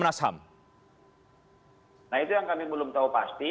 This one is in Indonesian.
nah itu yang kami belum tahu pasti